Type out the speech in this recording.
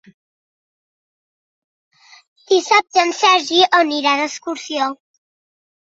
Dissabte en Sergi anirà d'excursió.